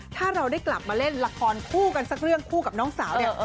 ถ้าเราได้กลับมาเล่นละครคู่กันสักเรื่องคู่กับน้องสาวเนี่ย